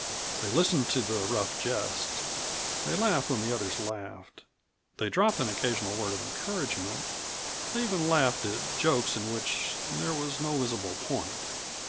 They listened to the rough jest, they laughed when the others laughed, they dropped an occasional word of encouragement. They even laughed at jokes in which there was no visible point.